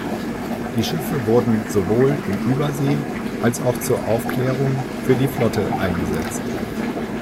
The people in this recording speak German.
Diese Schiffe wurden sowohl in Übersee als auch zur Aufklärung für die Flotte eingesetzt.